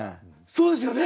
そうですね。